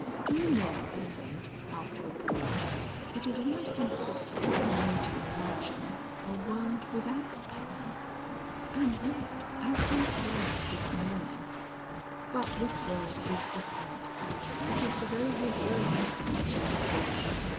Do you know," he said, after a pause, "it is almost impossible for me to imagine ... a world without pain.... And yet, as you played this morning "But this world is different. It is the very reverse of an Angelic world.